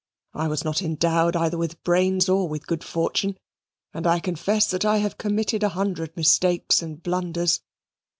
I was not endowed either with brains or with good fortune, and confess that I have committed a hundred mistakes and blunders.